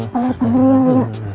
balai banderian ya